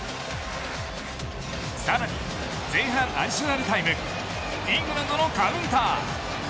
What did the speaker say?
さらに前半アディショナルタイムイングランドのカウンター。